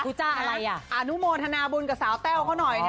จ้าอะไรอ่ะอนุโมทนาบุญกับสาวแต้วเขาหน่อยนะ